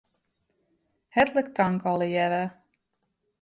Hertlik tank allegearre.